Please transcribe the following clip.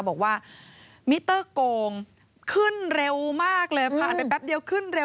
บอกว่ามิเตอร์โกงขึ้นเร็วมากเลยผ่านไปแป๊บเดียวขึ้นเร็ว